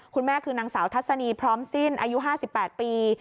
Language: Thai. คุณแม่คือนางสาวทัศนีพร้อมสิ้นอายุ๕๘ปี